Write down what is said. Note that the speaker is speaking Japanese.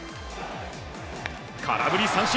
空振り三振！